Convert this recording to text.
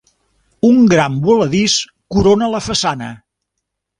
Un gran voladís corona la façana.